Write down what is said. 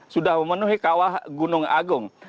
sudah memenuhi kawah gunung agung